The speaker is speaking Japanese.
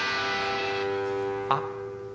あっ。